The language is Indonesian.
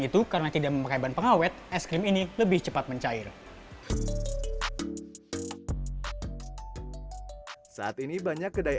itu karena tidak memakai ban pengawet es krim ini lebih cepat mencair saat ini banyak kedai